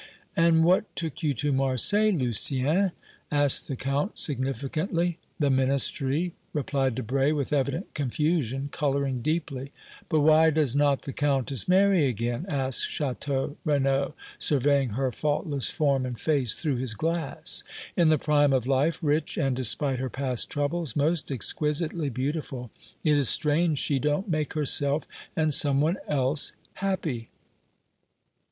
"And what took you to Marseilles, Lucien?" asked the Count significantly. "The Ministry," replied Debray, with evident confusion, coloring deeply. "But why does not the Countess marry again?" asked Château Renaud, surveying her faultless form and face through his glass. "In the prime of life, rich, and, despite her past troubles, most exquisitely beautiful, it is strange she don't make herself and some one else happy!"